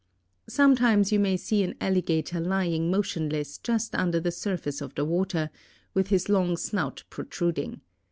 Sometimes you may see an alligator lying motionless just under the surface of the water, with his long snout protruding.